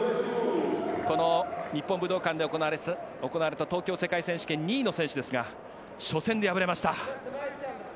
この日本武道館で行われた東京世界選手権２位の選手ですが初戦で敗れました。